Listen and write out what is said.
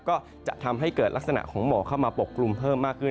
ก็จะทำให้เกิดลักษณะของหมอกเข้ามาปกกลุ่มเพิ่มมากขึ้น